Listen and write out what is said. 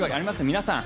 皆さん